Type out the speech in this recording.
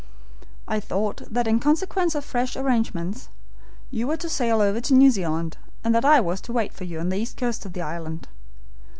I thought that in consequence of fresh arrangements, you were to sail over to New Zealand, and that I was to wait for you on the east coast of the island.